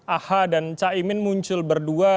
aha dan cah imin muncul berdua